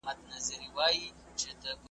د مېله والو مستو زلمیو `